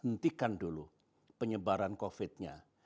hentikan dulu penyebaran covid sembilan belas nya